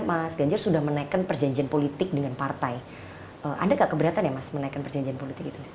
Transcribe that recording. mas ganjar sudah menaikkan perjanjian politik dengan partai anda gak keberatan ya mas menaikkan perjanjian politik itu